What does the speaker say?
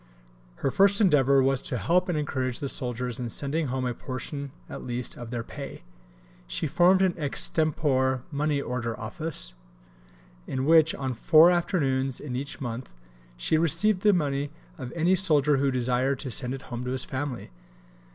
Her first endeavour was to help and encourage the soldiers in sending home a portion at least of their pay. She formed an extempore Money Order Office, in which, on four afternoons in each month, she received the money of any soldier who desired to send it home to his family.